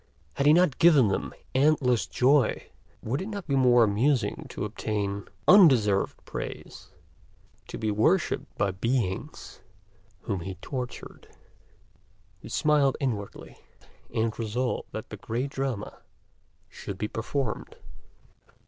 Had he not given them endless joy? Would it not be more amusing to obtain undeserved praise, to be worshiped by beings whom he tortured? He smiled inwardly, and resolved that the great drama should be performed.